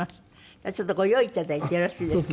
じゃあちょっとご用意頂いてよろしいですか？